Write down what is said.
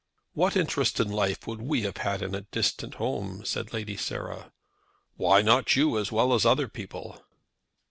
"What interest in life would we have had in a distant home?" said Lady Sarah. "Why not you as well as other people?"